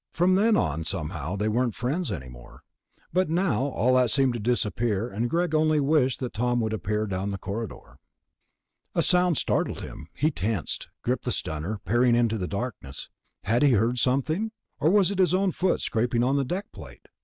From then on somehow they weren't friends any more. But now all that seemed to disappear and Greg only wished that Tom would appear down the corridor.... A sound startled him. He tensed, gripping the stunner, peering into the darkness. Had he heard something? Or was it his own foot scraping on the deck plate?